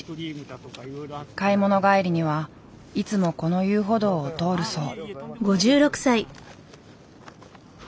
買い物帰りにはいつもこの遊歩道を通るそう。